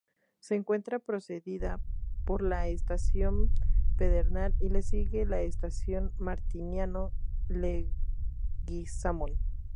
Se encuentra precedida por la estación Pedernal y le sigue la estación Martiniano Leguizamón.